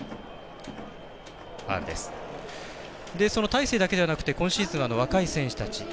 大勢だけではなくて今シーズンは若い選手たち。